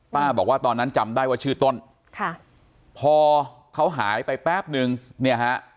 บอกว่าตอนนั้นจำได้ว่าชื่อต้นค่ะพอเขาหายไปแป๊บนึงเนี่ยฮะ